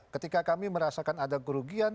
ketika kami merasakan ada kerugian